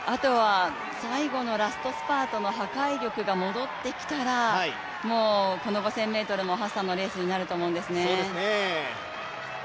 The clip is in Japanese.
あとは最後のラストスパートの破壊力が戻ってきたらもうこの５０００ｍもハッサンのレースになると思いますね。